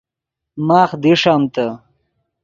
ماخ دیݰمتے